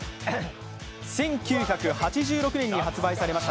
１９８６年に発売されました